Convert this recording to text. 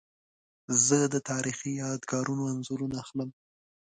زه د تاریخي یادګارونو انځورونه اخلم.